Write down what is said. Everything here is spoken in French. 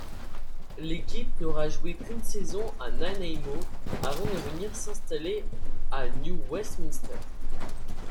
L'équipe n'aura joué qu'une saison à Nanaimo avant de venir s'installer à New Westminster.